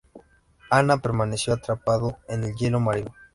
Anna" permaneció atrapado en el hielo marino.